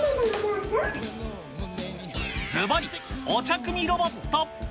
ずばり、お茶くみロボット。